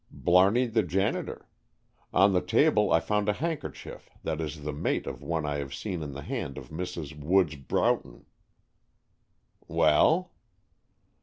"Blarneyed the janitor. On the table I found a handkerchief that is the mate of one I have seen in the hand of Mrs. Woods Broughton." "Well?"